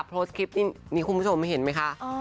โพสต์คลิปนี้คุณผู้ชมเห็นไหมคะ